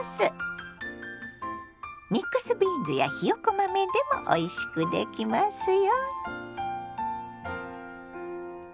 ミックスビーンズやひよこ豆でもおいしくできますよ。